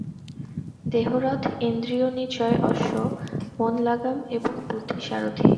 দেহ রথ, ইন্দ্রিয়নিচয় অশ্ব, মন লাগাম, এবং বুদ্ধি সারথি।